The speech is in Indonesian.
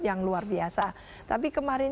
yang luar biasa tapi kemarin